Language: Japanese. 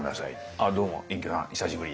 「ああどうも隠居さん久しぶり」。